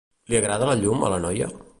Li agrada la llum a la noia?